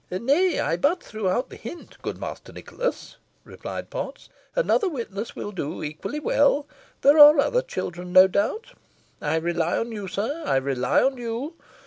"Nay, I but threw out the hint, good Master Nicholas," replied Potts. "Another witness will do equally well. There are other children, no doubt. I rely on you, sir I rely on you.